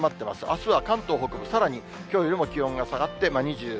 あすは関東北部、さらにきょうよりも気温が下がって２５、６度。